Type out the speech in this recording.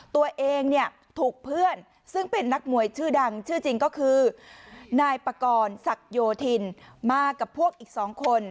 ตัวเองเนี่ยถูกเพื่อนซึ่งเป็นนักมวยชื่อดังชื่อจริงก็คือนายปากรศักดิโยธินมากับพวกอีก๒คน